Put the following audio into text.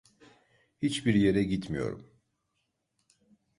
Hiçbir yere gitmiyorum.